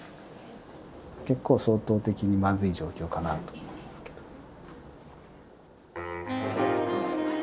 結構相当まずい状況かなと思いますけど。